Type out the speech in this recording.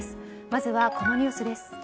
まずはこのニュースです。